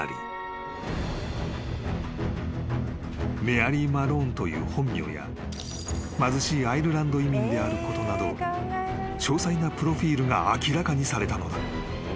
［メアリー・マローンという本名や貧しいアイルランド移民であることなど詳細なプロフィルが明らかにされたのだ］